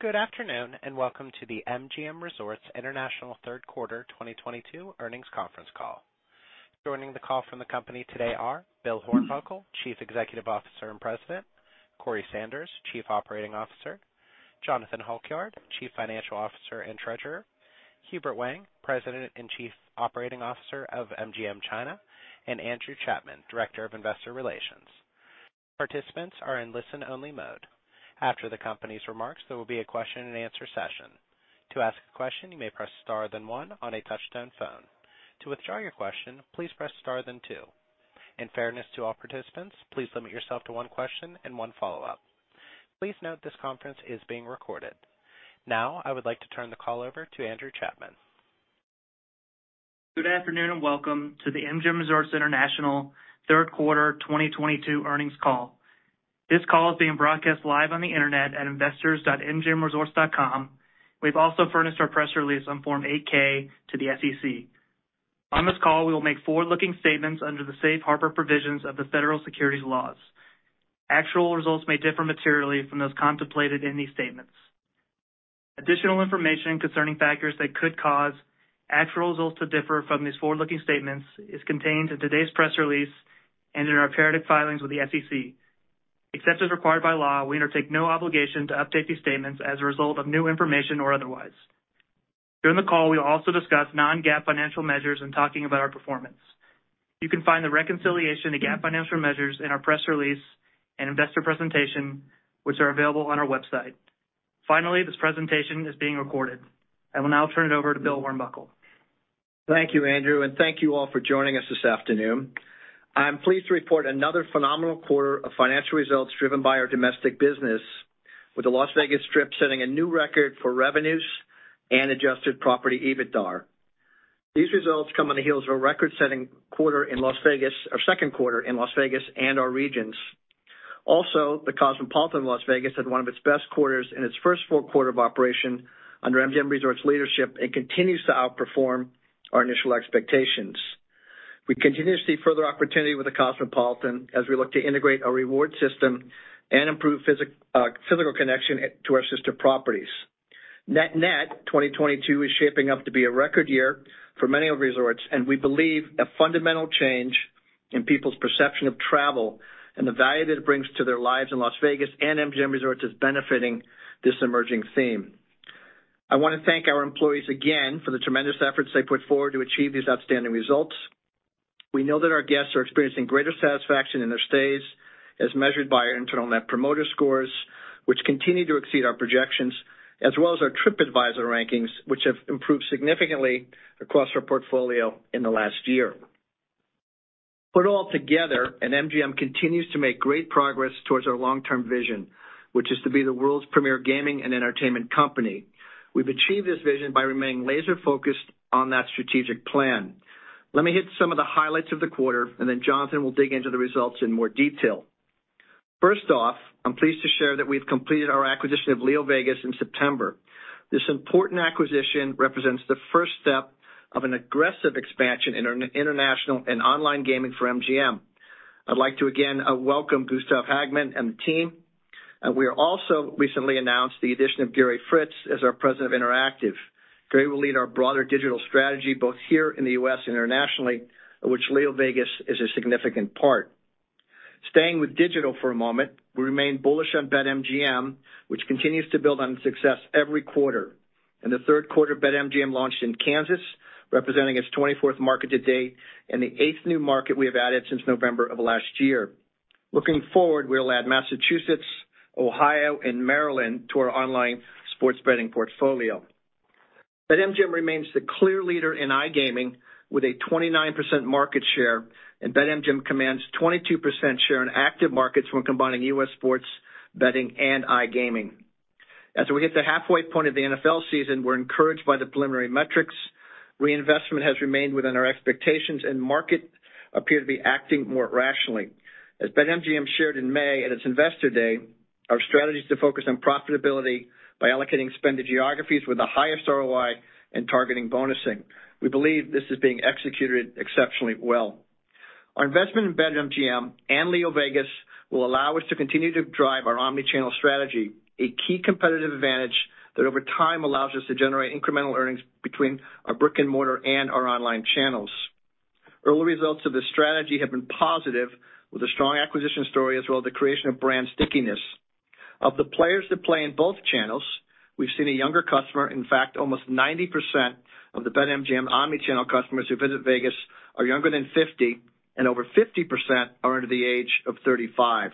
Good afternoon, and welcome to the MGM Resorts International third quarter 2022 earnings conference call. Joining the call from the company today are Bill Hornbuckle, Chief Executive Officer and President, Corey Sanders, Chief Operating Officer, Jonathan Halkyard, Chief Financial Officer and Treasurer, Hubert Wang, President and Chief Operating Officer of MGM China, and Andrew Chapman, Director of Investor Relations. Participants are in listen-only mode. After the company's remarks, there will be a question-and-answer session. To ask a question, you may press star then one on a touch-tone phone. To withdraw your question, please press star then two. In fairness to all participants, please limit yourself to one question and one follow-up. Please note this conference is being recorded. Now I would like to turn the call over to Andrew Chapman. Good afternoon, and welcome to the MGM Resorts International third quarter 2022 earnings call. This call is being broadcast live on the internet at investors.mgmresorts.com. We've also furnished our press release on Form 8-K to the SEC. On this call, we will make forward-looking statements under the Safe Harbor provisions of the federal securities laws. Actual results may differ materially from those contemplated in these statements. Additional information concerning factors that could cause actual results to differ from these forward-looking statements is contained in today's press release and in our periodic filings with the SEC. Except as required by law, we undertake no obligation to update these statements as a result of new information or otherwise. During the call, we will also discuss non-GAAP financial measures in talking about our performance. You can find the reconciliation to GAAP financial measures in our press release and investor presentation, which are available on our website. Finally, this presentation is being recorded. I will now turn it over to Bill Hornbuckle. Thank you, Andrew, and thank you all for joining us this afternoon. I'm pleased to report another phenomenal quarter of financial results driven by our domestic business, with the Las Vegas Strip setting a new record for revenues and adjusted property EBITDAR. These results come on the heels of a record-setting second quarter in Las Vegas and our regions. Also, the Cosmopolitan in Las Vegas had one of its best quarters in its first full quarter of operation under MGM Resorts leadership and continues to outperform our initial expectations. We continue to see further opportunity with the Cosmopolitan as we look to integrate our reward system and improve physical connection to our sister properties. Net-net, 2022 is shaping up to be a record year for many of our resorts, and we believe a fundamental change in people's perception of travel and the value that it brings to their lives in Las Vegas and MGM Resorts is benefiting this emerging theme. I wanna thank our employees again for the tremendous efforts they put forward to achieve these outstanding results. We know that our guests are experiencing greater satisfaction in their stays as measured by our internal net promoter scores, which continue to exceed our projections, as well as our Tripadvisor rankings, which have improved significantly across our portfolio in the last year. Put all together, MGM continues to make great progress towards our long-term vision, which is to be the world's premier gaming and entertainment company. We've achieved this vision by remaining laser-focused on that strategic plan. Let me hit some of the highlights of the quarter, and then Jonathan will dig into the results in more detail. First off, I'm pleased to share that we've completed our acquisition of LeoVegas in September. This important acquisition represents the first step of an aggressive expansion in our international and online gaming for MGM. I'd like to again welcome Gustaf Hagman and the team. We have also recently announced the addition of Gary Fritz as our President of Interactive. Gary will lead our broader digital strategy, both here in the U.S. and internationally, of which LeoVegas is a significant part. Staying with digital for a moment, we remain bullish on BetMGM, which continues to build on its success every quarter. In the third quarter, BetMGM launched in Kansas, representing its 24th market to date and the eighth new market we have added since November of last year. Looking forward, we'll add Massachusetts, Ohio, and Maryland to our online sports betting portfolio. BetMGM remains the clear leader in iGaming with a 29% market share, and BetMGM commands 22% share in active markets when combining U.S. sports betting and iGaming. As we hit the halfway point of the NFL season, we're encouraged by the preliminary metrics. Reinvestment has remained within our expectations, and markets appear to be acting more rationally. As BetMGM shared in May at its Investor Day, our strategy is to focus on profitability by allocating spend to geographies with the highest ROI and targeting bonusing. We believe this is being executed exceptionally well. Our investment in BetMGM and LeoVegas will allow us to continue to drive our omni-channel strategy, a key competitive advantage that over time allows us to generate incremental earnings between our brick-and-mortar and our online channels. Early results of this strategy have been positive, with a strong acquisition story as well as the creation of brand stickiness. Of the players that play in both channels, we've seen a younger customer. In fact, almost 90% of the BetMGM omni-channel customers who visit Vegas are younger than 50, and over 50% are under the age of 35.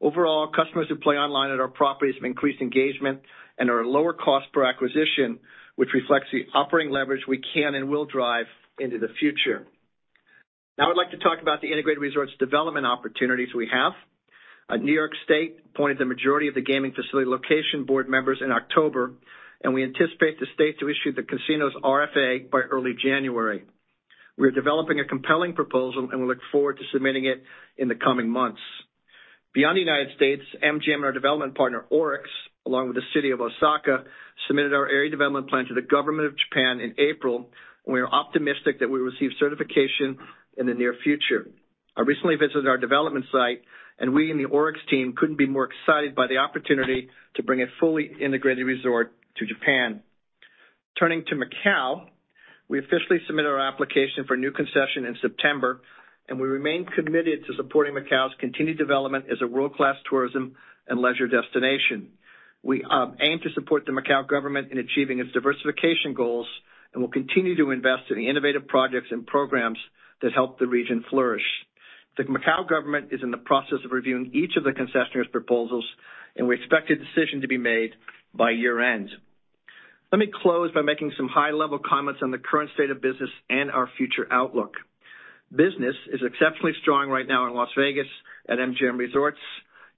Overall, customers who play online at our properties have increased engagement and are a lower cost per acquisition, which reflects the operating leverage we can and will drive into the future. Now I'd like to talk about the integrated resorts development opportunities we have. New York State appointed the majority of the gaming facility location board members in October, and we anticipate the state to issue the casino's RFA by early January. We are developing a compelling proposal, and we look forward to submitting it in the coming months. Beyond the United States, MGM and our development partner, ORIX, along with the city of Osaka, submitted our area development plan to the government of Japan in April, and we are optimistic that we will receive certification in the near future. I recently visited our development site, and we in the ORIX team couldn't be more excited by the opportunity to bring a fully integrated resort to Japan. Turning to Macau, we officially submitted our application for new concession in September, and we remain committed to supporting Macau's continued development as a world-class tourism and leisure destination. We aim to support the Macau government in achieving its diversification goals and will continue to invest in the innovative projects and programs that help the region flourish. The Macau government is in the process of reviewing each of the concessioners' proposals, and we expect a decision to be made by year-end. Let me close by making some high-level comments on the current state of business and our future outlook. Business is exceptionally strong right now in Las Vegas at MGM Resorts,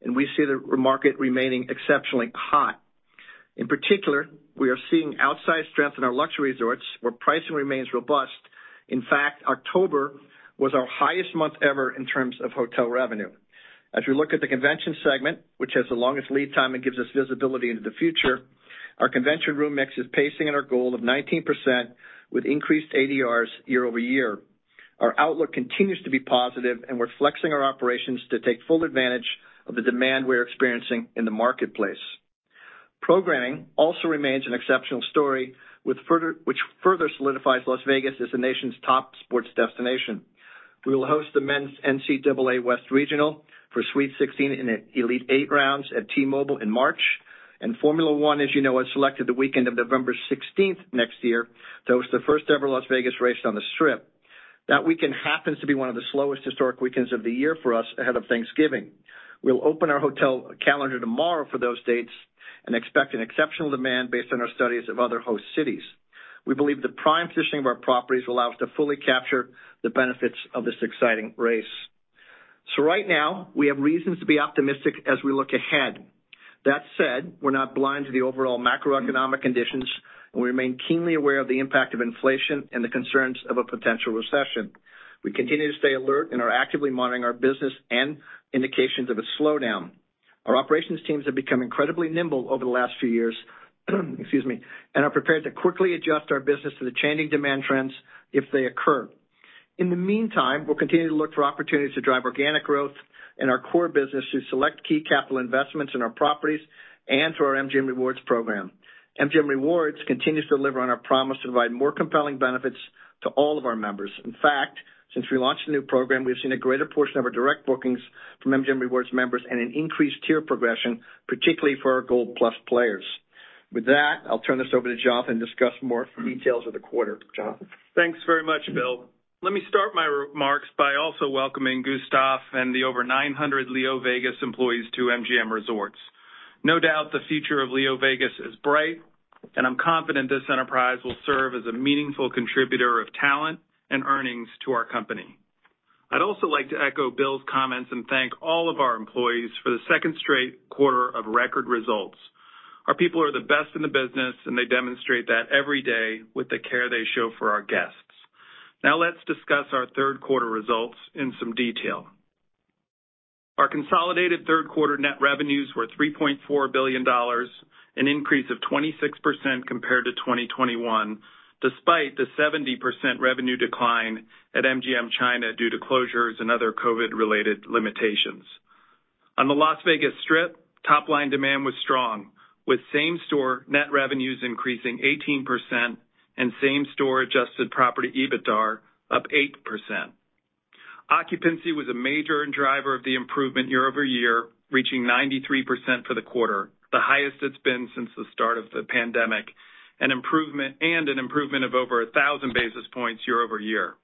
and we see the market remaining exceptionally hot. In particular, we are seeing outsized strength in our luxury resorts, where pricing remains robust. In fact, October was our highest month ever in terms of hotel revenue. As we look at the convention segment, which has the longest lead time and gives us visibility into the future, our convention room mix is pacing in our goal of 19% with increased ADRs year-over-year. Our outlook continues to be positive, and we're flexing our operations to take full advantage of the demand we're experiencing in the marketplace. Programming also remains an exceptional story which further solidifies Las Vegas as the nation's top sports destination. We will host the Men's NCAA West Regional for Sweet Sixteen and Elite Eight rounds at T-Mobile in March. Formula One, as you know, has selected the weekend of November 16th next year to host the first ever Las Vegas race on the Strip. That weekend happens to be one of the slowest historic weekends of the year for us ahead of Thanksgiving. We'll open our hotel calendar tomorrow for those dates and expect an exceptional demand based on our studies of other host cities. We believe the prime positioning of our properties will allow us to fully capture the benefits of this exciting race. Right now, we have reasons to be optimistic as we look ahead. That said, we're not blind to the overall macroeconomic conditions, and we remain keenly aware of the impact of inflation and the concerns of a potential recession. We continue to stay alert and are actively monitoring our business and indications of a slowdown. Our operations teams have become incredibly nimble over the last few years, excuse me, and are prepared to quickly adjust our business to the changing demand trends if they occur. In the meantime, we'll continue to look for opportunities to drive organic growth in our core business through select key capital investments in our properties and through our MGM Rewards program. MGM Rewards continues to deliver on our promise to provide more compelling benefits to all of our members. In fact, since we launched the new program, we've seen a greater portion of our direct bookings from MGM Rewards members and an increased tier progression, particularly for our Gold+ players. With that, I'll turn this over to Jonathan to discuss more details of the quarter. Jonathan? Thanks very much, Bill. Let me start my remarks by also welcoming Gustaf and the over 900 LeoVegas employees to MGM Resorts. No doubt the future of LeoVegas is bright, and I'm confident this enterprise will serve as a meaningful contributor of talent and earnings to our company. I'd also like to echo Bill's comments and thank all of our employees for the second straight quarter of record results. Our people are the best in the business, and they demonstrate that every day with the care they show for our guests. Now let's discuss our third quarter results in some detail. Our consolidated third quarter net revenues were $3.4 billion, an increase of 26% compared to 2021, despite the 70% revenue decline at MGM China due to closures and other COVID-related limitations. On the Las Vegas Strip, top-line demand was strong, with same-store net revenues increasing 18% and same-store adjusted property EBITDAR up 8%. Occupancy was a major driver of the improvement year-over-year, reaching 93% for the quarter, the highest it's been since the start of the pandemic, an improvement of over 1,000 basis points year-over-year.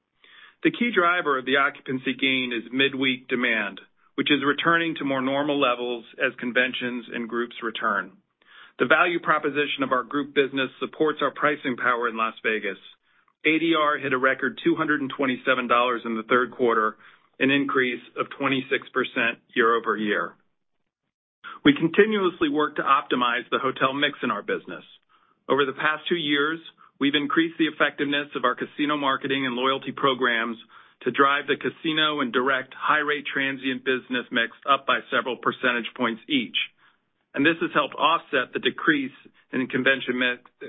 The key driver of the occupancy gain is midweek demand, which is returning to more normal levels as conventions and groups return. The value proposition of our group business supports our pricing power in Las Vegas. ADR hit a record $227 in the third quarter, an increase of 26% year-over-year. We continuously work to optimize the hotel mix in our business. Over the past two years, we've increased the effectiveness of our casino marketing and loyalty programs to drive the casino and direct high-rate transient business mix up by several percentage points each. This has helped offset the decrease in convention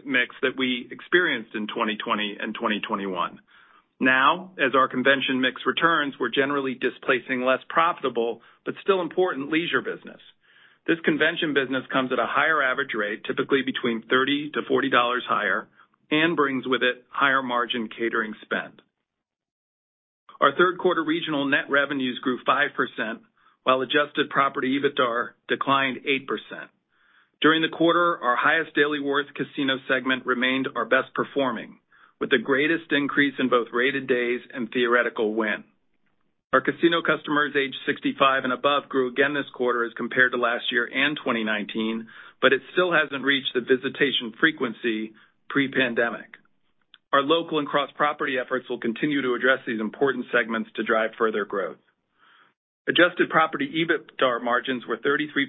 mix that we experienced in 2020 and 2021. Now, as our convention mix returns, we're generally displacing less profitable but still important leisure business. This convention business comes at a higher average rate, typically between $30-$40 higher, and brings with it higher margin catering spend. Our third quarter regional net revenues grew 5%, while adjusted property EBITDAR declined 8%. During the quarter, our highest daily worth casino segment remained our best performing, with the greatest increase in both rated days and theoretical win. Our casino customers aged 65 and above grew again this quarter as compared to last year and 2019, but it still hasn't reached the visitation frequency pre-pandemic. Our local and cross-property efforts will continue to address these important segments to drive further growth. Adjusted property EBITDAR margins were 33%,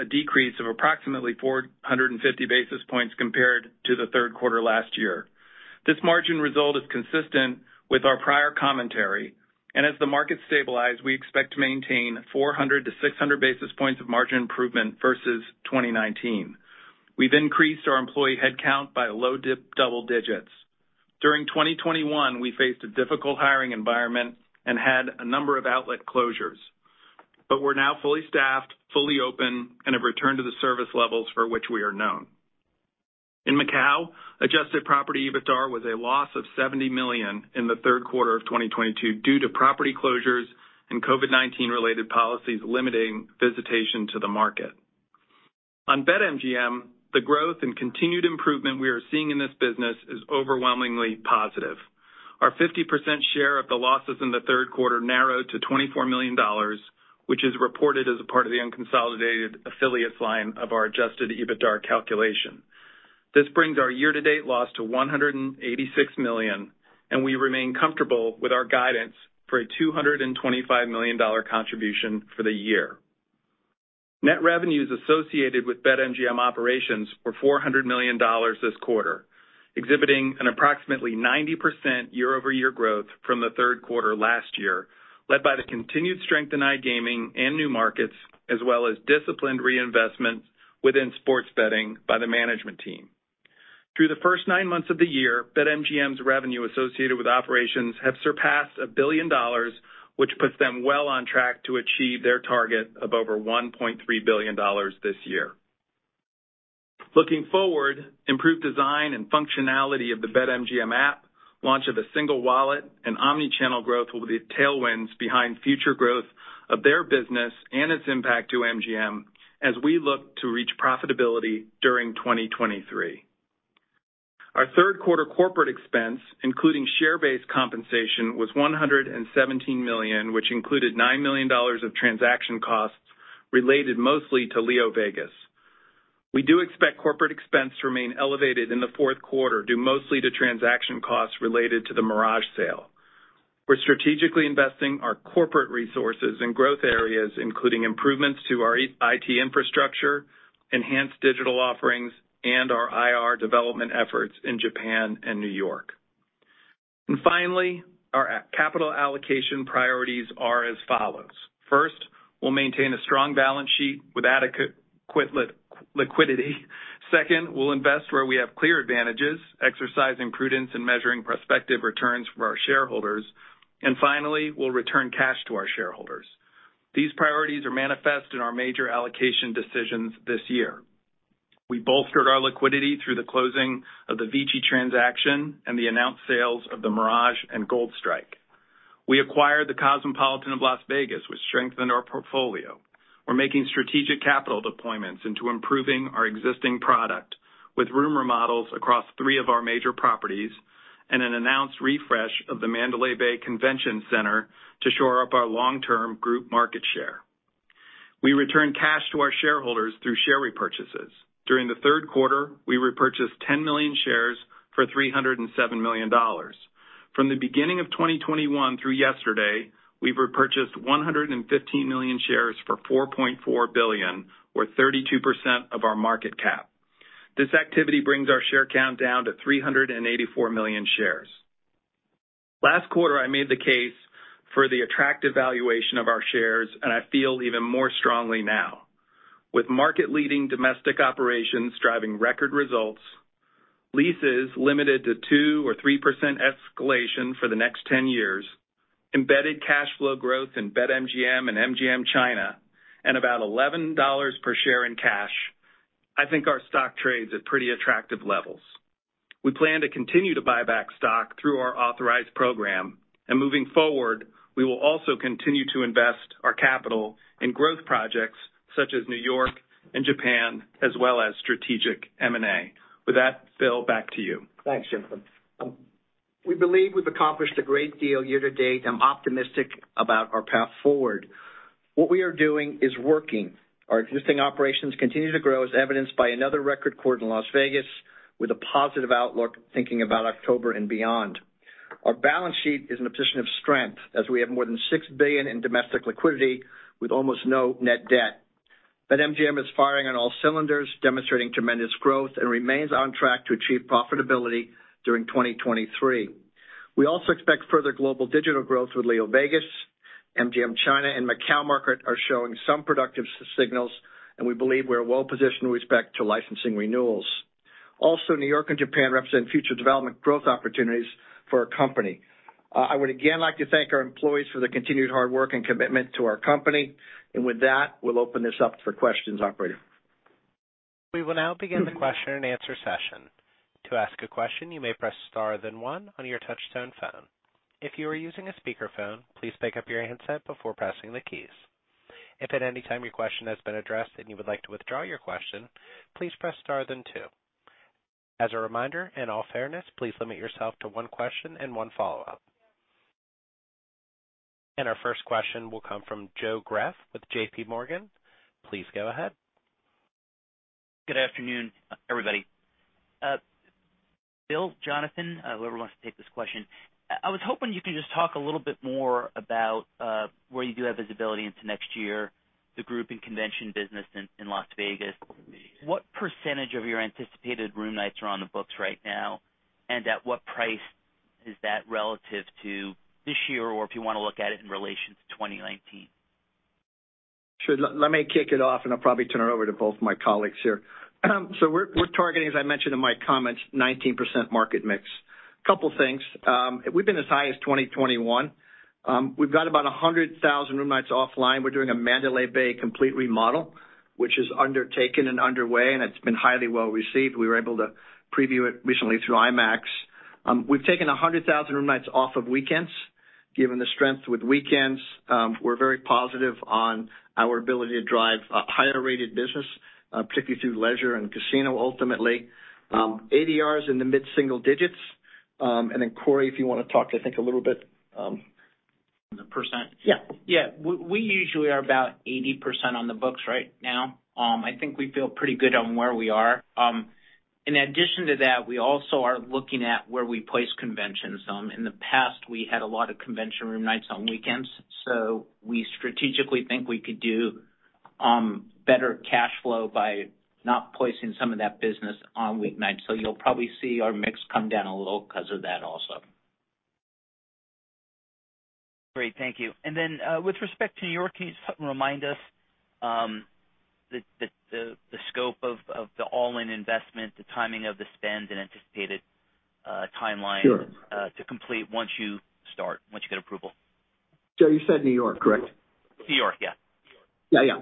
a decrease of approximately 450 basis points compared to the third quarter last year. This margin result is consistent with our prior commentary, and as the market stabilize, we expect to maintain 400-600 basis points of margin improvement versus 2019. We've increased our employee headcount by low double digits. During 2021, we faced a difficult hiring environment and had a number of outlet closures. We're now fully staffed, fully open, and have returned to the service levels for which we are known. In Macau, adjusted property EBITDAR was a loss of $70 million in the third quarter of 2022 due to property closures and COVID-19 related policies limiting visitation to the market. On BetMGM, the growth and continued improvement we are seeing in this business is overwhelmingly positive. Our 50% share of the losses in the third quarter narrowed to $24 million, which is reported as a part of the unconsolidated affiliates line of our adjusted EBITDAR calculation. This brings our year-to-date loss to $186 million, and we remain comfortable with our guidance for a $225 million contribution for the year. Net revenues associated with BetMGM operations were $400 million this quarter, exhibiting an approximately 90% year-over-year growth from the third quarter last year, led by the continued strength in iGaming and new markets, as well as disciplined reinvestments within sports betting by the management team. Through the first nine months of the year, BetMGM's revenue associated with operations have surpassed $1 billion, which puts them well on track to achieve their target of over $1.3 billion this year. Looking forward, improved design and functionality of the BetMGM app, launch of a single wallet and omni-channel growth will be tailwinds behind future growth of their business and its impact to MGM as we look to reach profitability during 2023. Our third quarter corporate expense, including share-based compensation, was $117 million, which included $9 million of transaction costs related mostly to LeoVegas. We do expect corporate expense to remain elevated in the fourth quarter, due mostly to transaction costs related to the Mirage sale. We're strategically investing our corporate resources in growth areas, including improvements to our IT infrastructure, enhanced digital offerings, and our IR development efforts in Japan and New York. Finally, our capital allocation priorities are as follows. First, we'll maintain a strong balance sheet with adequate liquidity. Second, we'll invest where we have clear advantages, exercising prudence and measuring prospective returns for our shareholders. Finally, we'll return cash to our shareholders. These priorities are manifest in our major allocation decisions this year. We bolstered our liquidity through the closing of the VICI transaction and the announced sales of The Mirage and Gold Strike. We acquired The Cosmopolitan of Las Vegas, which strengthened our portfolio. We're making strategic capital deployments into improving our existing product with room remodels across three of our major properties and an announced refresh of the Mandalay Bay Convention Center to shore up our long-term group market share. We return cash to our shareholders through share repurchases. During the third quarter, we repurchased 10 million shares for $307 million. From the beginning of 2021 through yesterday, we've repurchased 115 million shares for $4.4 billion or 32% of our market cap. This activity brings our share count down to 384 million shares. Last quarter, I made the case for the attractive valuation of our shares, and I feel even more strongly now. With market-leading domestic operations driving record results, leases limited to 2% or 3% escalation for the next 10 years, embedded cash flow growth in BetMGM and MGM China, and about $11 per share in cash, I think our stock trades at pretty attractive levels. We plan to continue to buy back stock through our authorized program, and moving forward, we will also continue to invest our capital in growth projects such as New York and Japan, as well as strategic M&A. With that, Bill, back to you. Thanks, Jonathan. We believe we've accomplished a great deal year to date. I'm optimistic about our path forward. What we are doing is working. Our existing operations continue to grow as evidenced by another record quarter in Las Vegas with a positive outlook thinking about October and beyond. Our balance sheet is in a position of strength as we have more than $6 billion in domestic liquidity with almost no net debt. BetMGM is firing on all cylinders, demonstrating tremendous growth and remains on track to achieve profitability during 2023. We also expect further global digital growth with LeoVegas. MGM China and Macau market are showing some productive signals, and we believe we're well-positioned with respect to licensing renewals. Also, New York and Japan represent future development growth opportunities for our company. I would again like to thank our employees for their continued hard work and commitment to our company. With that, we'll open this up for questions, operator. We will now begin the question-and-answer session. To ask a question, you may press star then one on your touchtone phone. If you are using a speakerphone, please pick up your handset before pressing the keys. If at any time your question has been addressed and you would like to withdraw your question, please press star then two. As a reminder, in all fairness, please limit yourself to one question and one follow-up. Our first question will come from Joe Greff with JPMorgan. Please go ahead. Good afternoon, everybody. Bill, Jonathan, whoever wants to take this question. I was hoping you could just talk a little bit more about where you do have visibility into next year, the group and convention business in Las Vegas. What percentage of your anticipated room nights are on the books right now? And at what price is that relative to this year or if you wanna look at it in relation to 2019? Sure. Let me kick it off and I'll probably turn it over to both my colleagues here. We're targeting, as I mentioned in my comments, 19% market mix. Couple things. We've been as high as 20%-21%. We've got about 100,000 room nights offline. We're doing a Mandalay Bay complete remodel, which is undertaken and underway, and it's been highly well received. We were able to preview it recently through IMEX. We've taken 100,000 room nights off of weekends, given the strength with weekends. We're very positive on our ability to drive higher rated business, particularly through leisure and casino ultimately. ADR is in the mid-single digits. Then, Corey, if you wanna talk, I think, a little bit. On the percent? Yeah. Yeah. We usually are about 80% on the books right now. I think we feel pretty good on where we are. In addition to that, we also are looking at where we place conventions. In the past, we had a lot of convention room nights on weekends, so we strategically think we could do better cash flow by not placing some of that business on week nights. You'll probably see our mix come down a little 'cause of that also. Great. Thank you. With respect to New York, can you remind us the scope of the all-in investment, the timing of the spend and anticipated timeline? Sure. To complete once you start, once you get approval? You said New York, correct? New York, yeah. Yeah, yeah.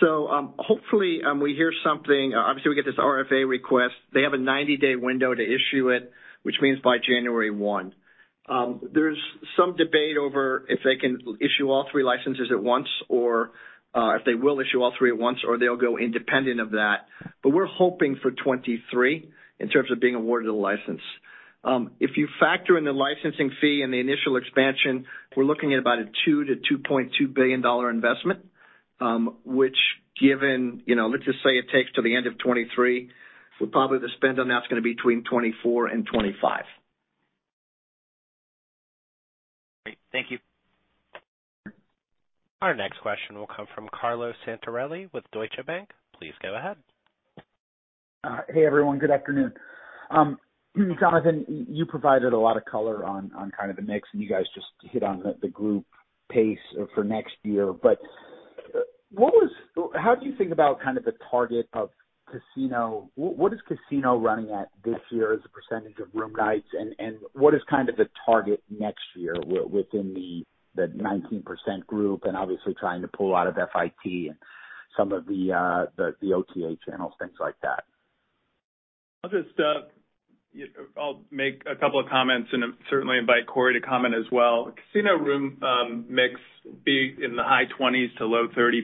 Hopefully, we hear something. Obviously we get this RFA request. They have a 90-day window to issue it, which means by January 1. There's some debate over if they can issue all three licenses at once or if they will issue all three at once or they'll go independent of that. We're hoping for 2023 in terms of being awarded a license. If you factor in the licensing fee and the initial expansion, we're looking at about a $2 billion-$2.2 billion investment, which given, you know, let's just say it takes till the end of 2023, so probably the spend on that's gonna be between 2024 and 2025. Great. Thank you. Our next question will come from Carlo Santarelli with Deutsche Bank. Please go ahead. Hey, everyone. Good afternoon. Jonathan, you provided a lot of color on kind of the mix and you guys just hit on the group pace for next year. How do you think about kind of the target of casino? What is casino running at this year as a percentage of room nights? And what is kind of the target next year within the 19% group and obviously trying to pull out of FIT and some of the OTA channels, things like that? I'll just make a couple of comments and then certainly invite Corey to comment as well. Casino room mix is in the high 20% to low 30%.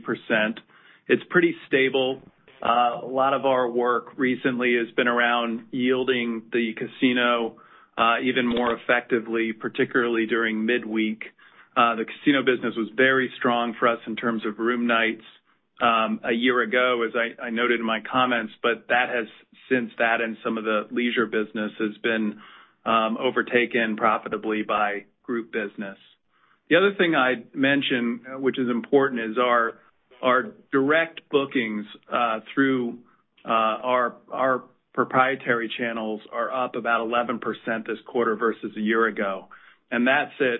It's pretty stable. A lot of our work recently has been around yielding the casino even more effectively, particularly during midweek. The casino business was very strong for us in terms of room nights a year ago, as I noted in my comments, but that has since then and some of the leisure business has been overtaken profitably by group business. The other thing I'd mention, which is important, is our direct bookings through our proprietary channels are up about 11% this quarter versus a year ago. That's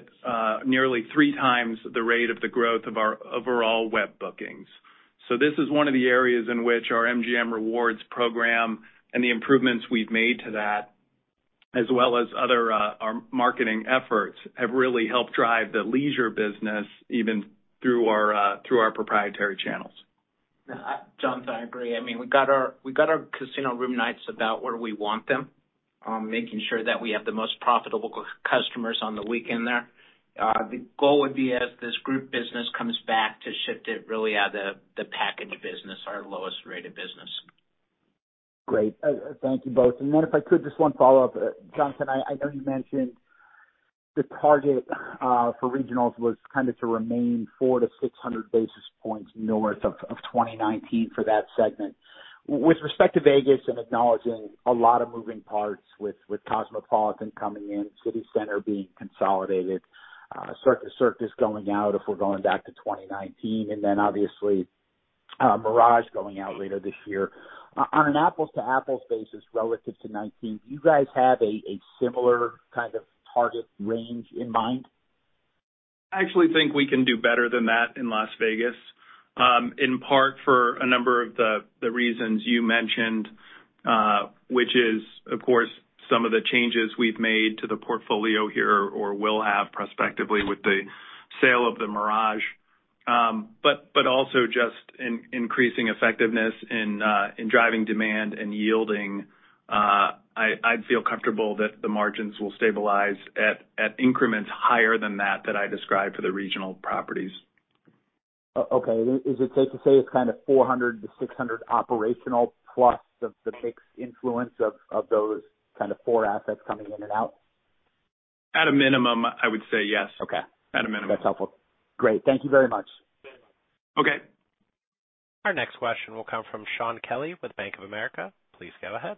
nearly three times the rate of the growth of our overall web bookings. This is one of the areas in which our MGM Rewards program and the improvements we've made to that, as well as our other marketing efforts, have really helped drive the leisure business even through our proprietary channels. Jonathan, I agree. I mean, we've got our casino room nights about where we want them, making sure that we have the most profitable customers on the weekend there. The goal would be as this group business comes back to shift it really out of the packaged business, our lowest rated business. Great. Thank you both. If I could, just one follow-up. Jonathan, I know you mentioned the target for regionals was kind of to remain 400-600 basis points north of 2019 for that segment. With respect to Vegas and acknowledging a lot of moving parts with Cosmopolitan coming in, CityCenter being consolidated, Circus Circus going out if we're going back to 2019, and then obviously, Mirage going out later this year. On an apples to apples basis relative to 2019, do you guys have a similar kind of target range in mind? I actually think we can do better than that in Las Vegas, in part for a number of the reasons you mentioned, which is, of course, some of the changes we've made to the portfolio here or will have prospectively with the sale of The Mirage. But also just in increasing effectiveness in driving demand and yielding, I'd feel comfortable that the margins will stabilize at increments higher than that I described for the regional properties. Okay. Is it safe to say it's kind of 400-600 operational plus the mix influence of those kind of four assets coming in and out? At a minimum, I would say yes. Okay. At a minimum. That's helpful. Great. Thank you very much. Okay. Our next question will come from Shaun Kelley with Bank of America. Please go ahead.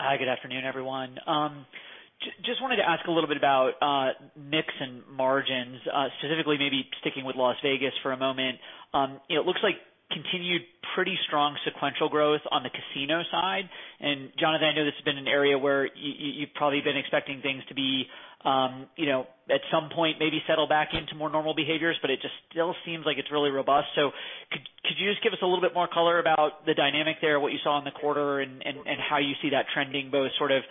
Hi, good afternoon, everyone. Just wanted to ask a little bit about mix and margins, specifically maybe sticking with Las Vegas for a moment. It looks like continued pretty strong sequential growth on the casino side. Jonathan, I know this has been an area where you've probably been expecting things to be, you know, at some point, maybe settle back into more normal behaviors, but it just still seems like it's really robust. Could you just give us a little bit more color about the dynamic there, what you saw in the quarter and how you see that trending, both sort of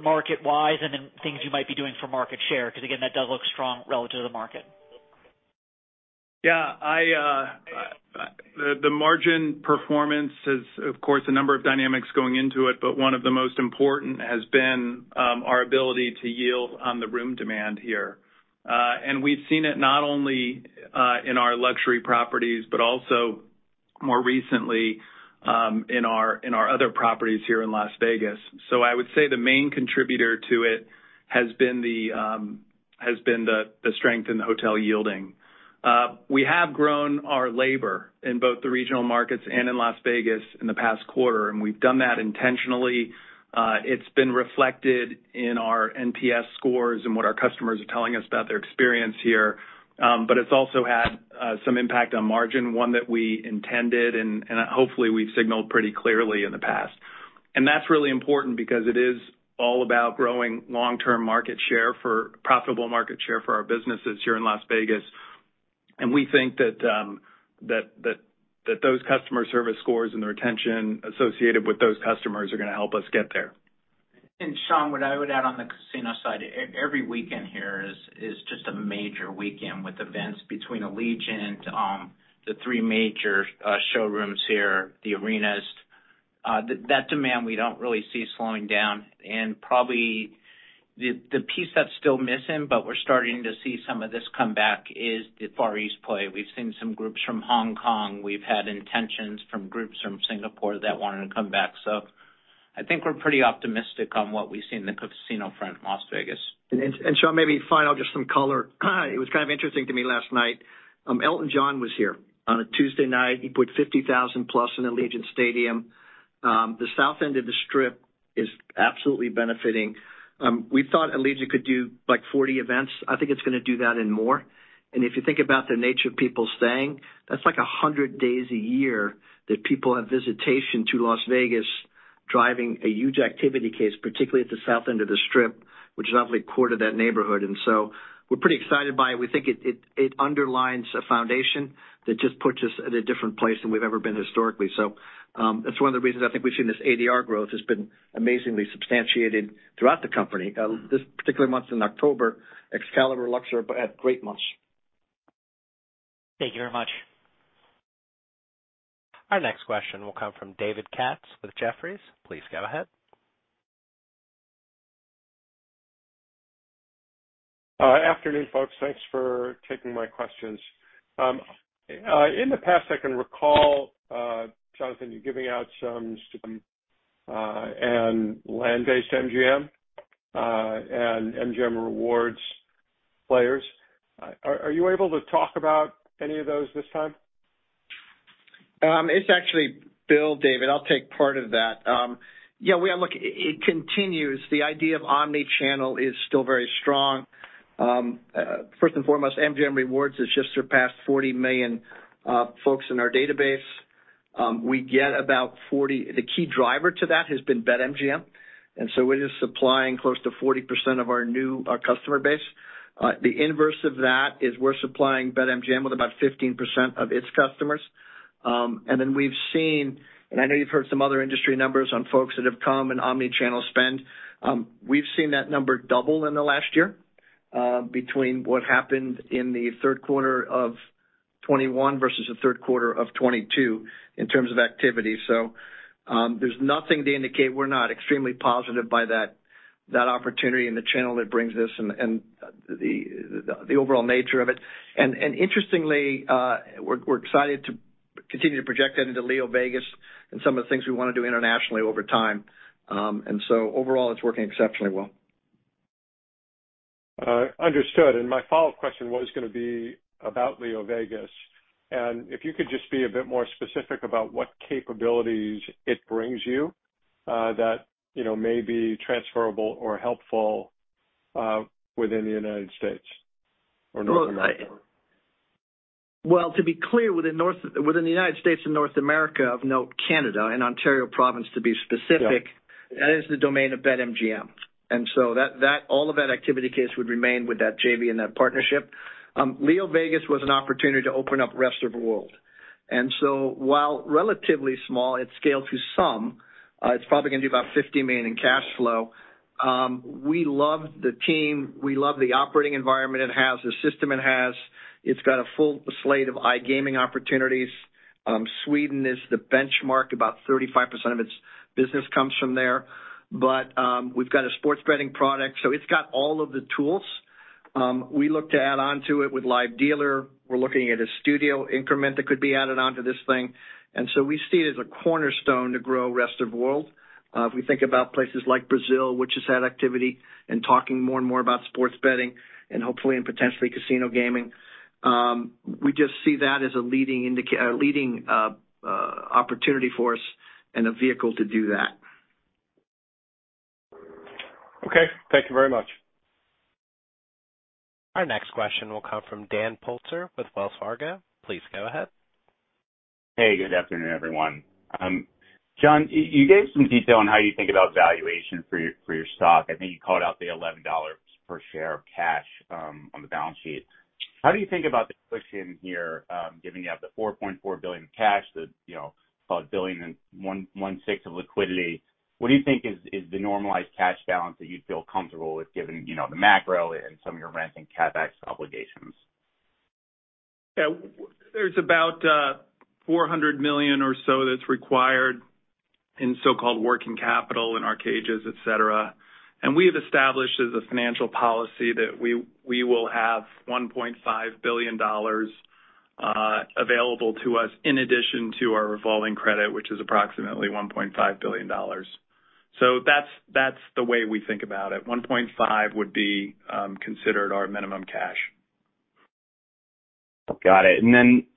market-wise and then things you might be doing for market share? Because again, that does look strong relative to the market. The margin performance is, of course, a number of dynamics going into it, but one of the most important has been our ability to yield on the room demand here. We've seen it not only in our luxury properties, but also more recently in our other properties here in Las Vegas. I would say the main contributor to it has been the strength in the hotel yielding. We have grown our labor in both the regional markets and in Las Vegas in the past quarter, and we've done that intentionally. It's been reflected in our NPS scores and what our customers are telling us about their experience here. It's also had some impact on margin, one that we intended and hopefully we've signaled pretty clearly in the past. That's really important because it is all about growing long-term market share for profitable market share for our businesses here in Las Vegas. We think that those customer service scores and the retention associated with those customers are gonna help us get there. Shaun, what I would add on the casino side, every weekend here is just a major weekend with events between Allegiant, the three major showrooms here, the arenas. That demand we don't really see slowing down. Probably the piece that's still missing, but we're starting to see some of this come back is the Far East play. We've seen some groups from Hong Kong. We've had intentions from groups from Singapore that wanted to come back. I think we're pretty optimistic on what we see in the casino front in Las Vegas. Shaun, maybe final, just some color. It was kind of interesting to me last night. Elton John was here on a Tuesday night. He put 50,000+ in Allegiant Stadium. The south end of the Strip is absolutely benefiting. We thought Allegiant could do like 40 events. I think it's gonna do that and more. If you think about the nature of people staying, that's like 100 days a year that people have visitation to Las Vegas driving a huge activity base, particularly at the south end of the Strip, which is obviously core to that neighborhood. We're pretty excited by it. We think it underlines a foundation that just puts us at a different place than we've ever been historically. That's one of the reasons I think we've seen this ADR growth has been amazingly substantiated throughout the company. This particular month in October, Excalibur, Luxor had great months. Thank you very much. Our next question will come from David Katz with Jefferies. Please go ahead. Afternoon, folks. Thanks for taking my questions. In the past, I can recall, Jonathan, you giving out some stats on land based MGM and MGM Rewards players, are you able to talk about any of those this time? It's actually Bill, David. I'll take a part of that. It continues, the idea of an omni-channel is still very strong. First and foremost, MGM Rewards has just surpassed 40 million folks in our database. The key driver to that has been BetMGM. We're supplying close to 40% of our customer base. The inverse of that is we're supplying BetMGM with 15% of its customers. We've seen, and I know you've heard some other industry numbers and folks that have come in omni-channel spend, we've seen that number double in the last year. Between what happened in the third quarter of 2021 versus the third quarter of 2022, in terms of activity. There's nothing to indicate we're not extremely positive by that opportunity, the channel that brings this and the overall nature of it. Interestingly, we're excited to continue to project that into LeoVegas and some of the things we want to do internationally over time. Overall it's working exceptionally well. Understood, my follow-up question was gonna be about LeoVegas. If you could just be a bit more specific about what capabilities it brings you that may be transferrable or helpful within United States. Well, to be clear, within the United States and North America of note, Canada and Ontario province, to be specific. Yeah. That is the domain of BetMGM. That all of that activity base would remain with that JV and that partnership. LeoVegas was an opportunity to open up rest of world. While relatively small at scale to some, it's probably gonna do about $50 million in cash flow. We love the team, we love the operating environment it has, the system it has. It's got a full slate of iGaming opportunities. Sweden is the benchmark. About 35% of its business comes from there. We've got a sports betting product, so it's got all of the tools. We look to add on to it with live dealer. We're looking at a studio increment that could be added onto this thing. We see it as a cornerstone to grow rest of world. If we think about places like Brazil, which has had activity and talking more and more about sports betting and hopefully and potentially casino gaming, we just see that as a leading opportunity for us and a vehicle to do that. Okay. Thank you very much. Our next question will come from Dan Politzer with Wells Fargo. Please go ahead. Hey, good afternoon, everyone. John, you gave some detail on how you think about valuation for your stock. I think you called out the $11 per share of cash on the balance sheet. How do you think about the cushion here, given you have the $4.4 billion in cash, you know, about $1 billion in 1/6 liquidity, what do you think is the normalized cash balance that you'd feel comfortable with given, you know, the macro and some of your rent and CapEx obligations? Yeah. There's about $400 million or so that's required in so-called working capital in our cages, et cetera. We have established as a financial policy that we will have $1.5 billion available to us in addition to our revolving credit, which is approximately $1.5 billion. That's the way we think about it. $1.5 billion would be considered our minimum cash. Got it.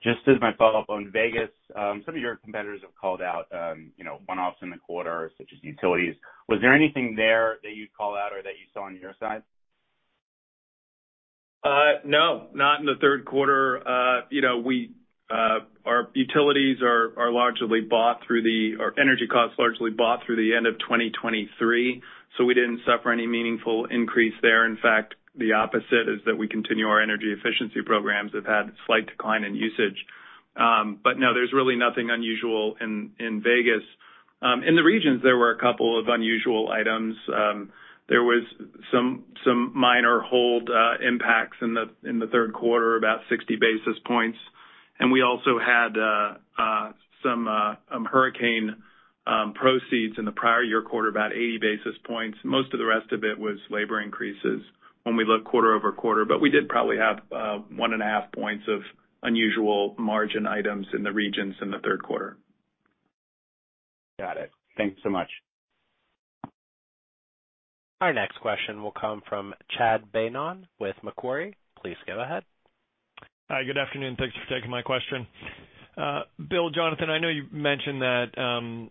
Just as my follow-up on Vegas, some of your competitors have called out, you know, one-offs in the quarter, such as utilities. Was there anything there that you'd call out or that you saw on your side? No, not in the third quarter. You know, our utilities or energy costs are largely bought through the end of 2023, so we didn't suffer any meaningful increase there. In fact, the opposite is that we continue our energy efficiency programs. We've had slight decline in usage. No, there's really nothing unusual in Vegas. In the regions there were a couple of unusual items. There was some minor hold impacts in the third quarter, about 60 basis points. We also had some hurricane proceeds in the prior year quarter, about 80 basis points. Most of the rest of it was labor increases when we look quarter-over-quarter. We did probably have 1.5 points of unusual margin items in the regions in the third quarter. Got it. Thank you so much. Our next question will come from Chad Beynon with Macquarie. Please go ahead. Hi, good afternoon. Thanks for taking my question. Bill, Jonathan, I know you mentioned that,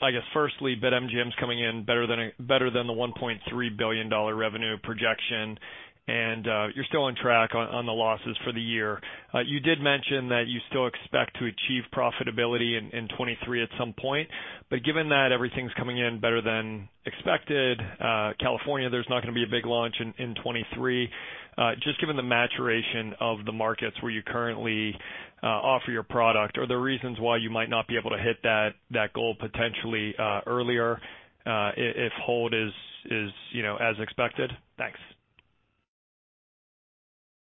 I guess firstly, BetMGM's coming in better than the $1.3 billion revenue projection, and you're still on track on the losses for the year. You did mention that you still expect to achieve profitability in 2023 at some point. Given that everything's coming in better than expected, California, there's not gonna be a big launch in 2023, just given the maturation of the markets where you currently offer your product, are there reasons why you might not be able to hit that goal potentially earlier, if hold is, you know, as expected? Thanks.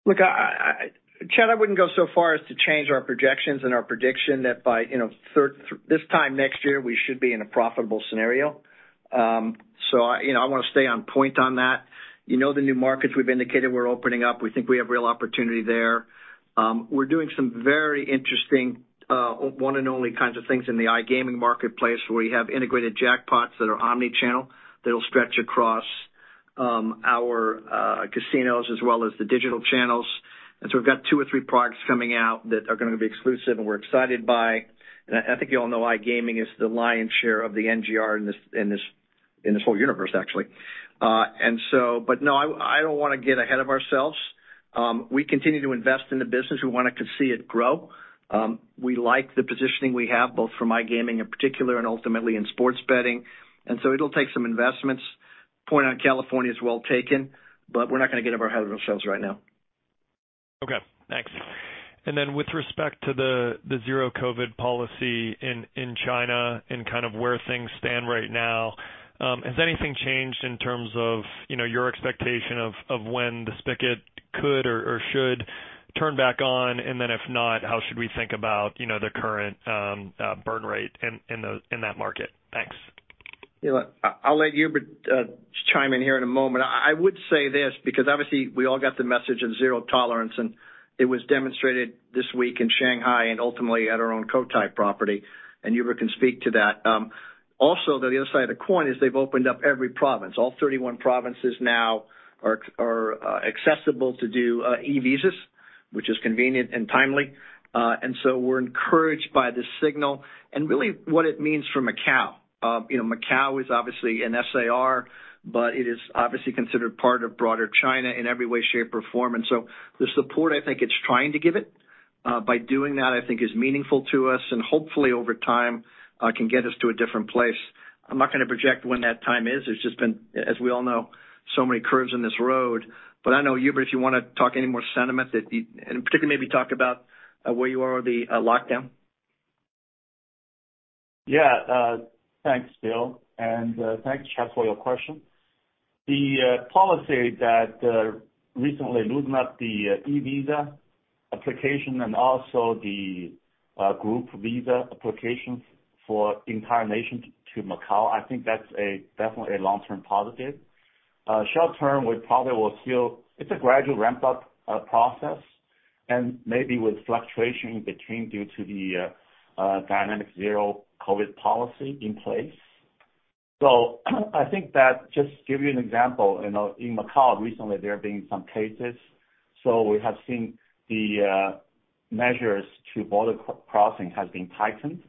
Look, Chad, I wouldn't go so far as to change our projections and our prediction that by, you know, this time next year, we should be in a profitable scenario. I wanna stay on point on that. You know, the new markets we've indicated we're opening up. We think we have real opportunity there. We're doing some very interesting, one and only kinds of things in the iGaming marketplace, where we have integrated jackpots that are omni-channel, that'll stretch across our casinos as well as the digital channels. We've got two or three products coming out that are gonna be exclusive and we're excited by. I think you all know iGaming is the lion's share of the NGR in this whole universe, actually. No, I don't wanna get ahead of ourselves. We continue to invest in the business. We wanna see it grow. We like the positioning we have both from iGaming in particular and ultimately in sports betting. It'll take some investments. Point on California is well taken, but we're not gonna get ahead of ourselves right now. Okay, thanks. Then with respect to the zero COVID policy in China and kind of where things stand right now, has anything changed in terms of, you know, your expectation of when the spigot could or should turn back on? If not, how should we think about, you know, the current burn rate in that market? Thanks. You know what, I'll let Hubert chime in here in a moment. I would say this, because obviously we all got the message of zero tolerance, and it was demonstrated this week in Shanghai and ultimately at our own Cotai property, and Hubert can speak to that. Also, the other side of the coin is they've opened up every province. All 31 provinces now are accessible to do e-visas, which is convenient and timely. We're encouraged by this signal and really what it means for Macau. You know, Macau is obviously an SAR, but it is obviously considered part of broader China in every way, shape or form. The support I think it's trying to give it by doing that, I think is meaningful to us, and hopefully over time can get us to a different place. I'm not gonna project when that time is. There's just been, as we all know, so many curves in this road. I know, Hubert, if you wanna talk any more sentiment and particularly maybe talk about where you are with the lockdown. Yeah. Thanks, Bill, and thanks, Chad, for your question. The policy that recently loosened up the e-visa application and also the group visa applications for entire nation to Macau, I think that's definitely a long-term positive. Short-term, we probably will still. It's a gradual ramp-up process and maybe with fluctuation but due to the dynamic zero-COVID policy in place. I think that just to give you an example, you know, in Macau recently there have been some cases. We have seen the measures to border crossing have been tightened.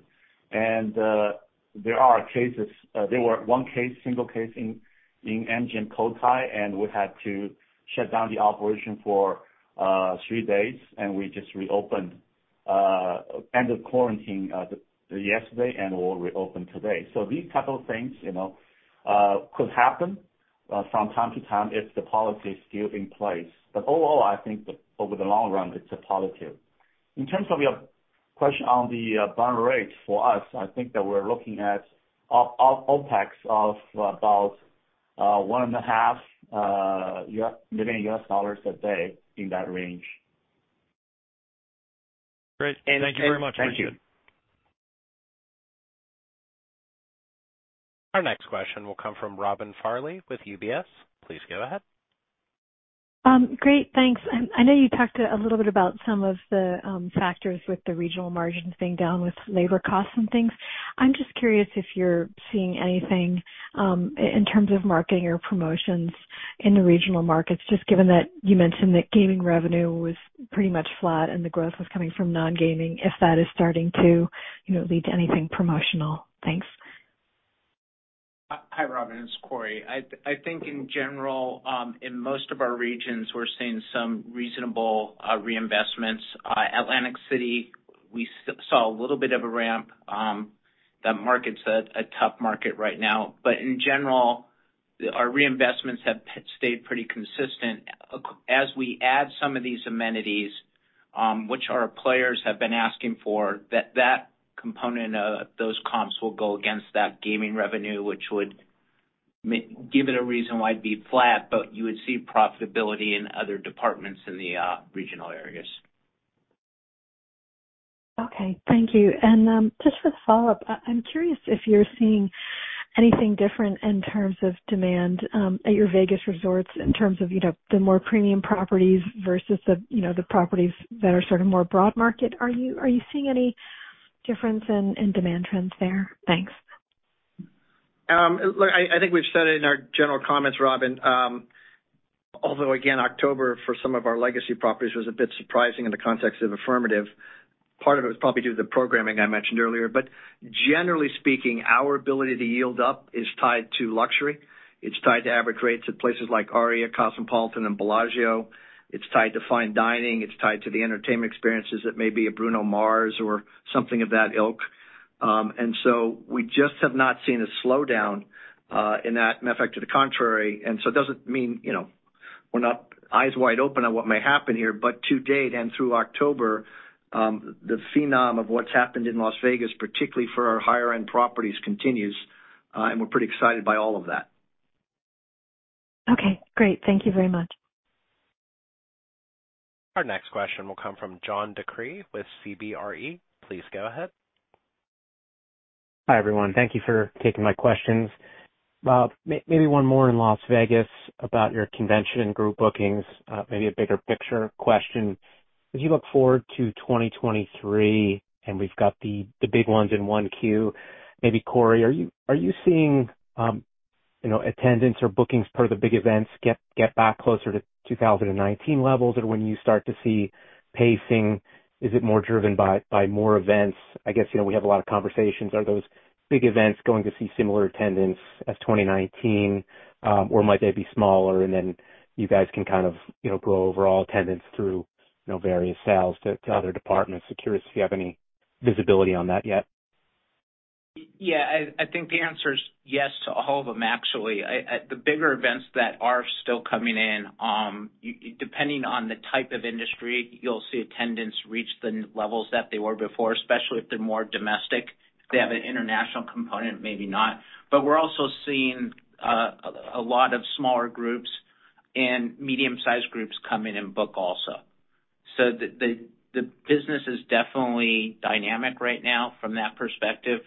There have been cases. There was one case, single case in MGM Cotai, and we had to shut down the operation for three days, and we just reopened end of quarantine yesterday, and we'll reopen today. These type of things, you know, could happen from time to time if the policy is still in place. Overall, I think over the long run, it's a positive. In terms of your question on the burn rate for us, I think that we're looking at OpEx of about $1.5 million a day in that range. Great. Thank you very much. Thank you. Our next question will come from Robin Farley with UBS. Please go ahead. Great, thanks. I know you talked a little bit about some of the factors with the regional margins being down with labor costs and things. I'm just curious if you're seeing anything in terms of marketing or promotions in the regional markets, just given that you mentioned that gaming revenue was pretty much flat and the growth was coming from non-gaming, if that is starting to, you know, lead to anything promotional? Thanks. Hi, Robin, it's Corey. I think in general, in most of our regions, we're seeing some reasonable reinvestments. Atlantic City, we saw a little bit of a ramp. That market's a tough market right now. In general, our reinvestments have stayed pretty consistent. As we add some of these amenities, which our players have been asking for, that component of those comps will go against that gaming revenue, which would give it a reason why it'd be flat, but you would see profitability in other departments in the regional areas. Okay. Thank you. Just for the follow-up, I'm curious if you're seeing anything different in terms of demand at your Vegas resorts in terms of, you know, the more premium properties versus the, you know, the properties that are sort of more broad market. Are you seeing any difference in demand trends there? Thanks. Look, I think we've said it in our general comments, Robin. Although again, October for some of our legacy properties was a bit surprising in the context of affirmative. Part of it was probably due to the programming I mentioned earlier, but generally speaking, our ability to yield up is tied to luxury. It's tied to average rates at places like Aria, Cosmopolitan and Bellagio. It's tied to fine dining. It's tied to the entertainment experiences that may be a Bruno Mars or something of that ilk. We just have not seen a slowdown in that. Matter of fact, to the contrary. It doesn't mean, you know, we're not eyes wide open on what may happen here, but to date and through October, the phenomenon of what's happened in Las Vegas, particularly for our higher end properties continues, and we're pretty excited by all of that. Okay, great. Thank you very much. Our next question will come from John DeCree with CBRE. Please go ahead. Hi, everyone. Thank you for taking my questions. Maybe one more in Las Vegas about your convention group bookings, maybe a bigger picture question. As you look forward to 2023 and we've got the big ones in 1Q, maybe Corey, are you seeing, you know, attendance or bookings per the big events get back closer to 2019 levels? When you start to see pacing, is it more driven by more events? I guess, you know, we have a lot of conversations. Are those big events going to see similar attendance as 2019, or might they be smaller and then you guys can kind of, you know, grow overall attendance through, you know, various sales to other departments? Just curious if you have any visibility on that yet. Yeah. I think the answer is yes to all of them, actually. The bigger events that are still coming in, depending on the type of industry, you'll see attendance reach the levels that they were before, especially if they're more domestic. If they have an international component, maybe not. We're also seeing a lot of smaller groups and medium-sized groups come in and book also. The business is definitely dynamic right now from that perspective.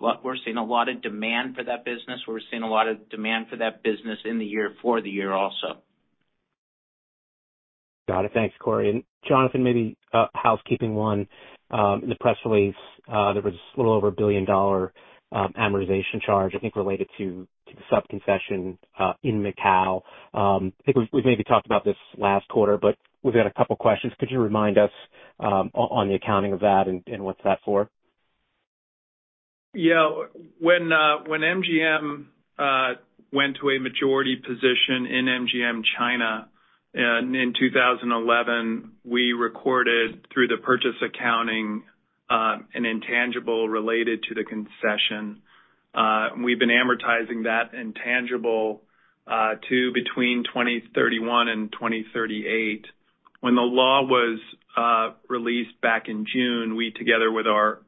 We're seeing a lot of demand for that business. We're seeing a lot of demand for that business in the year, for the year also. Got it. Thanks, Corey. Jonathan, maybe housekeeping one. In the press release, there was a little over $1 billion amortization charge, I think related to the sub-concession in Macau. I think we've maybe talked about this last quarter, but we've had a couple questions. Could you remind us on the accounting of that and what's that for? When MGM went to a majority position in MGM China in 2011, we recorded through the purchase accounting an intangible related to the concession. We've been amortizing that intangible to between 2031 and 2038. When the law was released back in June, we together with our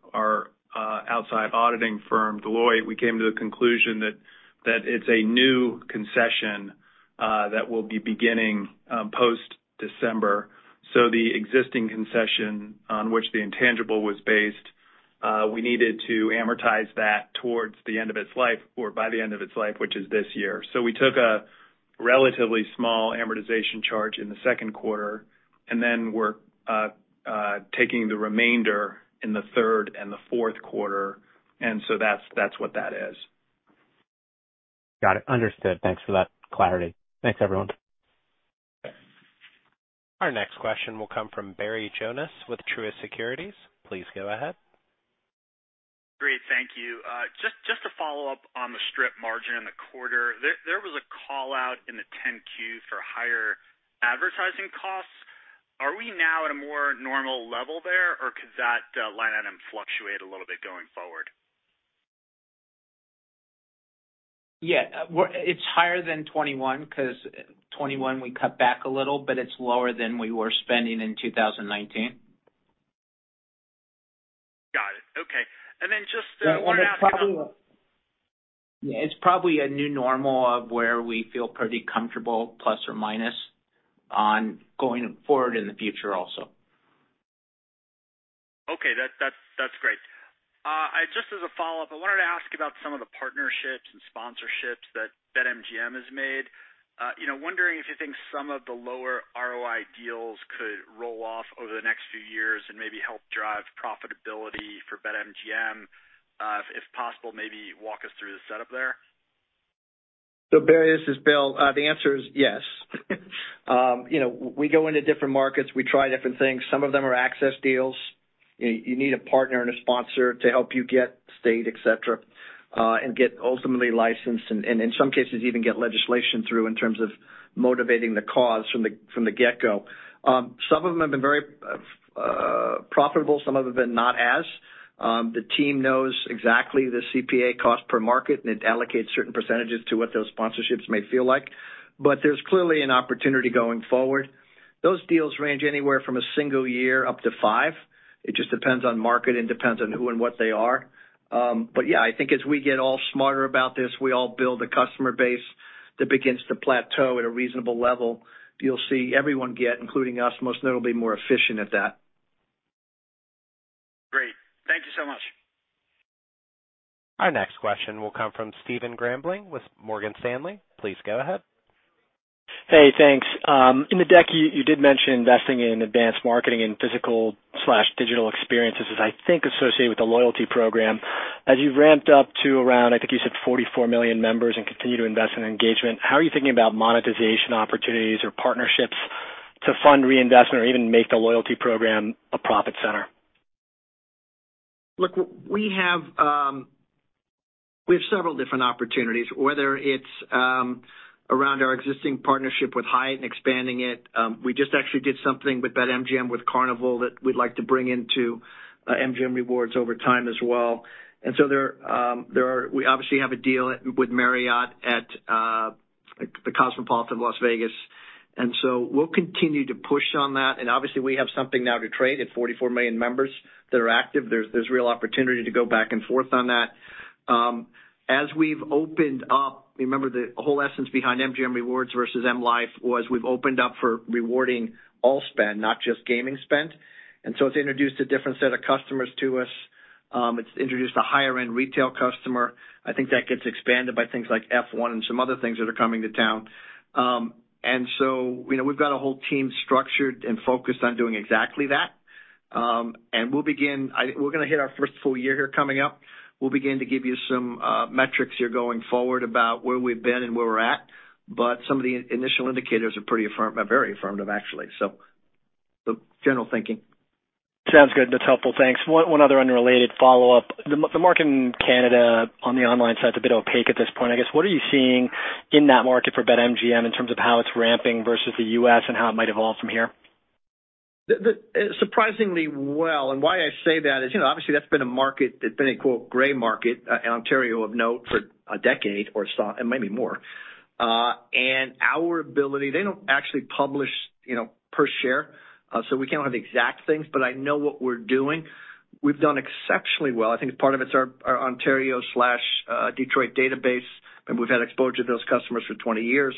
outside auditing firm, Deloitte, came to the conclusion that it's a new concession that will be beginning post December. The existing concession on which the intangible was based, we needed to amortize that towards the end of its life or by the end of its life, which is this year. We took a relatively small amortization charge in the second quarter, and then we're taking the remainder in the third and the fourth quarter. That's what that is. Got it. Understood. Thanks for that clarity. Thanks, everyone. Our next question will come from Barry Jonas with Truist Securities. Please go ahead. Great. Thank you. Just to follow up on the strip margin in the quarter. There was a call-out in the 10-Qs for higher advertising costs. Are we now at a more normal level there, or could that line item fluctuate a little bit going forward? Yeah. It's higher than 2021 because 2021 we cut back a little, but it's lower than we were spending in 2019. Got it. Okay. It's probably a new normal of where we feel pretty comfortable, plus or minus, on going forward in the future also. Okay. That's great. I just as a follow-up, I wanted to ask about some of the partnerships and sponsorships that BetMGM has made. You know, wondering if you think some of the lower ROI deals could roll off over the next few years and maybe help drive profitability for BetMGM. If possible, maybe walk us through the setup there. Barry, this is Bill. The answer is yes. You know, we go into different markets, we try different things. Some of them are access deals. You need a partner and a sponsor to help you get state, et cetera, and get ultimately licensed and in some cases, even get legislation through in terms of motivating the cause from the get-go. Some of them have been very profitable, some of them have been not as. The team knows exactly the CPA cost per market, and it allocates certain percentages to what those sponsorships may feel like. There's clearly an opportunity going forward. Those deals range anywhere from a single year up to five. It just depends on market and depends on who and what they are. Yeah, I think as we get all smarter about this, we all build a customer base that begins to plateau at a reasonable level. You'll see everyone get, including us, most notably more efficient at that. Great. Thank you so much. Our next question will come from Stephen Grambling with Morgan Stanley. Please go ahead. Hey, thanks. In the deck you did mention investing in advanced marketing and physical/digital experiences as I think associated with the loyalty program. As you've ramped up to around, I think you said 44 million members and continue to invest in engagement, how are you thinking about monetization opportunities or partnerships to fund reinvestment or even make the loyalty program a profit center? Look, we have several different opportunities, whether it's around our existing partnership with Hyatt and expanding it. We just actually did something with BetMGM, with Carnival that we'd like to bring into MGM Rewards over time as well. There are. We obviously have a deal with Marriott at The Cosmopolitan of Las Vegas, so we'll continue to push on that. We obviously have something now to trade at 44 million members that are active. There's real opportunity to go back and forth on that. As we've opened up, remember the whole essence behind MGM Rewards versus M life was we've opened up for rewarding all spend, not just gaming spend. It's introduced a different set of customers to us. It's introduced a higher end retail customer. I think that gets expanded by things like F1 and some other things that are coming to town. You know, we've got a whole team structured and focused on doing exactly that. We're gonna hit our first full year here coming up. We'll begin to give you some metrics here going forward about where we've been and where we're at. Some of the initial indicators are very affirmative actually. The general thinking. Sounds good. That's helpful. Thanks. One other unrelated follow-up. The market in Canada on the online side is a bit opaque at this point, I guess. What are you seeing in that market for BetMGM in terms of how it's ramping versus the U.S. and how it might evolve from here? Surprisingly well, and why I say that is, you know, obviously that's been a market that's been a, quote, "gray market" in Ontario of note for a decade or so, it might be more. They don't actually publish, you know, per share, so we can't have the exact things, but I know what we're doing. We've done exceptionally well. I think part of it's our Ontario/Detroit database, and we've had exposure to those customers for 20 years.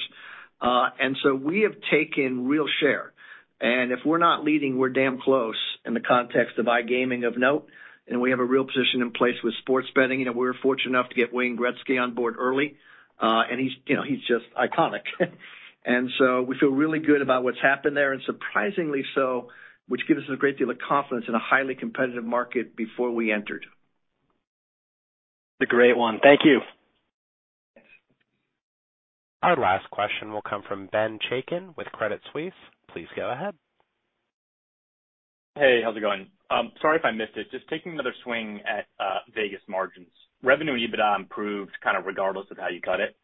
We have taken real share. If we're not leading, we're damn close in the context of iGaming of note. We have a real position in place with sports betting. You know, we were fortunate enough to get Wayne Gretzky on board early. He's, you know, just iconic. We feel really good about what's happened there, and surprisingly so, which gives us a great deal of confidence in a highly competitive market before we entered. That's a great one. Thank you. Our last question will come from Ben Chaiken with Credit Suisse. Please go ahead. Hey, how's it going? Sorry if I missed it. Just taking another swing at Vegas margins. Revenue and EBITDA improved kind of regardless of how you cut it.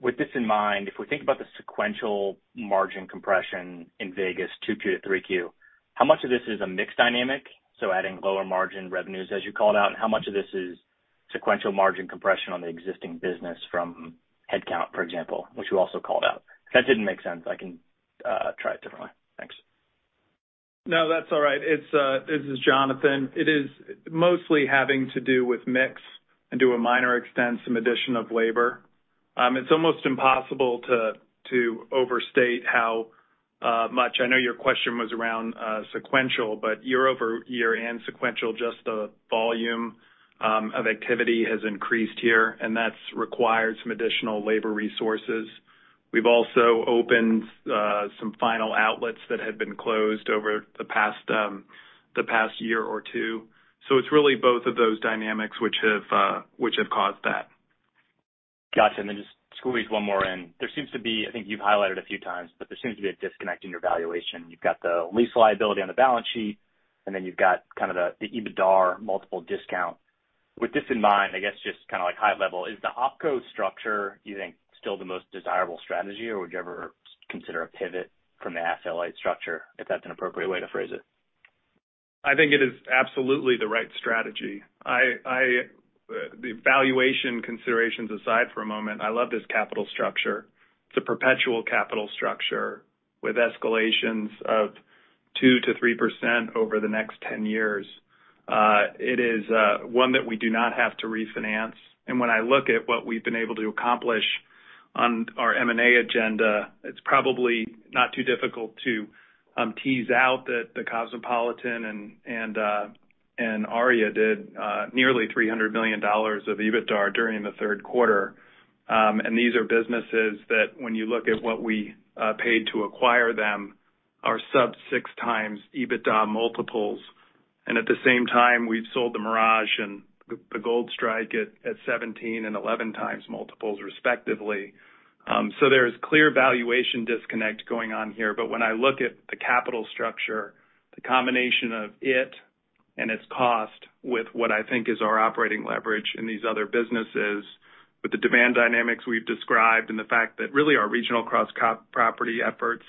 With this in mind, if we think about the sequential margin compression in Vegas 2Q to 3Q, how much of this is a mix dynamic, so adding lower margin revenues as you called out? How much of this is sequential margin compression on the existing business from headcount, for example, which you also called out? If that didn't make sense, I can try it a different way. Thanks. No, that's all right. It's this is Jonathan. It is mostly having to do with mix and to a minor extent, some addition of labor. It's almost impossible to overstate how much I know your question was around sequential, but year-over-year and sequential, just the volume of activity has increased here, and that's required some additional labor resources. We've also opened some final outlets that had been closed over the past year or two. It's really both of those dynamics which have caused that. Gotcha. Just squeeze one more in. There seems to be, I think you've highlighted a few times, but there seems to be a disconnect in your valuation. You've got the lease liability on the balance sheet, and then you've got kind of the EBITDAR multiple discount. With this in mind, I guess just kind of like high level, is the opco structure you think still the most desirable strategy, or would you ever consider a pivot from the asset-light structure, if that's an appropriate way to phrase it? I think it is absolutely the right strategy. The valuation considerations aside for a moment, I love this capital structure. It's a perpetual capital structure with escalations of 2%-3% over the next 10 years. It is one that we do not have to refinance. When I look at what we've been able to accomplish on our M&A agenda, it's probably not too difficult to tease out that the Cosmopolitan and Aria did nearly $300 million of EBITDAR during the third quarter. These are businesses that when you look at what we paid to acquire them are sub 6x EBITDAR multiples. At the same time, we've sold the Mirage and the Gold Strike at 17x and 11x multiples respectively. There is clear valuation disconnect going on here. When I look at the capital structure, the combination of it and its cost with what I think is our operating leverage in these other businesses with the demand dynamics we've described and the fact that really our regional cross-property efforts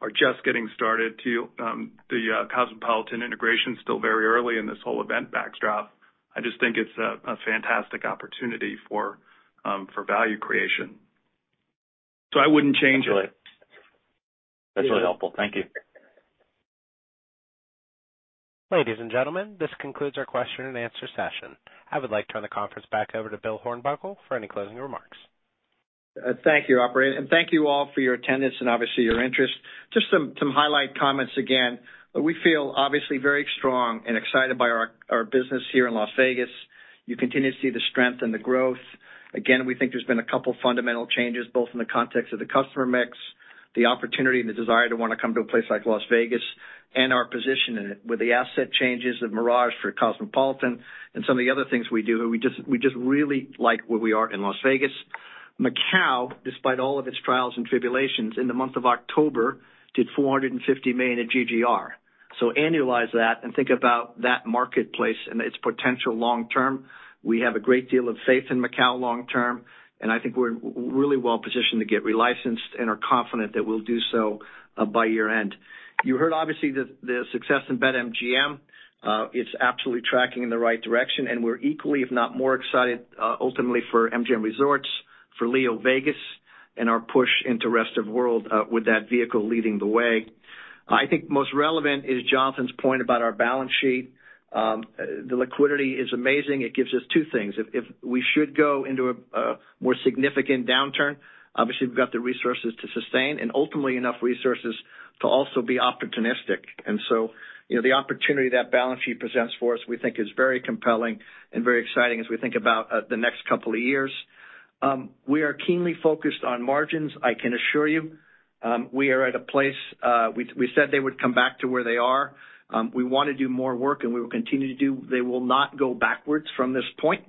are just getting started, too, The Cosmopolitan integration still very early in this whole event backdrop. I just think it's a fantastic opportunity for value creation. I wouldn't change it. Absolutely. That's really helpful. Thank you. Ladies and gentlemen, this concludes our question-and-answer session. I would like to turn the conference back over to Bill Hornbuckle for any closing remarks. Thank you, operator. Thank you all for your attendance and obviously your interest. Just some highlight comments again. We feel obviously very strong and excited by our business here in Las Vegas. You continue to see the strength and the growth. Again, we think there's been a couple fundamental changes, both in the context of the customer mix, the opportunity and the desire to wanna come to a place like Las Vegas and our position in it. With the asset changes of Mirage for Cosmopolitan and some of the other things we do, we just really like where we are in Las Vegas. Macau, despite all of its trials and tribulations, in the month of October, did $450 million in GGR. So annualize that and think about that marketplace and its potential long term. We have a great deal of faith in Macau long term, and I think we're really well positioned to get re-licensed and are confident that we'll do so by year-end. You heard obviously the success in BetMGM. It's absolutely tracking in the right direction, and we're equally, if not more excited ultimately for MGM Resorts, for LeoVegas and our push into rest of world with that vehicle leading the way. I think most relevant is Jonathan's point about our balance sheet. The liquidity is amazing. It gives us two things. If we should go into a more significant downturn, obviously we've got the resources to sustain and ultimately enough resources to also be opportunistic. You know, the opportunity that balance sheet presents for us, we think is very compelling and very exciting as we think about the next couple of years. We are keenly focused on margins, I can assure you. We are at a place, we said they would come back to where they are. We wanna do more work, and we will continue to do. They will not go backwards from this point.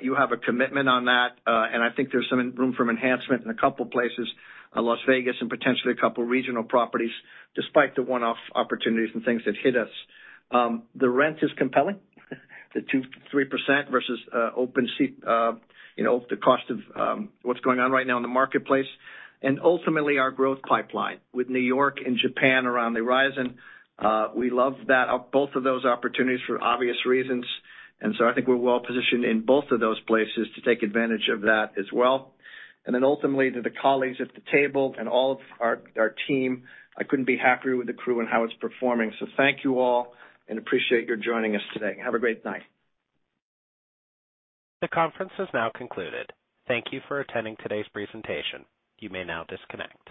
You have a commitment on that, and I think there's some room for enhancement in a couple places, Las Vegas and potentially a couple regional properties, despite the one-off opportunities and things that hit us. The rent is compelling, the 2%-3% versus, you know, the cost of what's going on right now in the marketplace. Ultimately our growth pipeline with New York and Japan around the horizon, we love that, both of those opportunities for obvious reasons. I think we're well positioned in both of those places to take advantage of that as well. Ultimately, to the colleagues at the table and all of our team, I couldn't be happier with the crew and how it's performing. Thank you all and appreciate your joining us today. Have a great night. The conference has now concluded. Thank you for attending today's presentation. You may now disconnect.